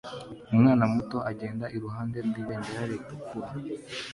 Umwana muto agenda iruhande rwibendera ritukura